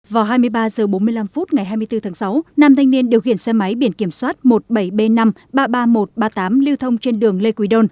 vào hai mươi ba h bốn mươi năm phút ngày hai mươi bốn tháng sáu nam thanh niên điều khiển xe máy biển kiểm soát một mươi bảy b năm ba mươi ba nghìn một trăm ba mươi tám lưu thông trên đường lê quỳ đôn